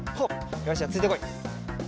よしじゃあついてこい。